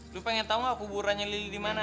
lu pengen tau gak kuburannya lili dimana